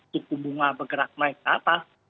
suku bunga bergerak naik ke atas